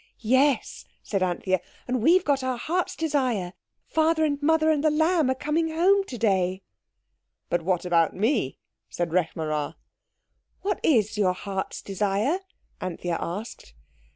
"Yes," said Anthea, "and we've got our hearts' desire. Father and Mother and The Lamb are coming home today." "But what about me?" said Rekh marā. "What is your heart's desire?" Anthea asked.